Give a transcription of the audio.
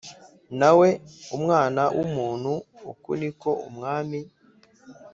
Nawe mwana w umuntu uku ni ko Umwami